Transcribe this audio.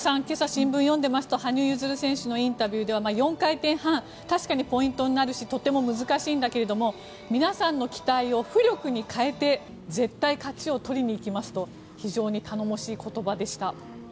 今朝、新聞読んでますと羽生結弦選手のインタビューでは４回転半確かにポイントになるしとても難しいけれども皆さんの期待を浮力に変えて絶対、勝ちを取りに行きますと非常に頼もしい言葉でした。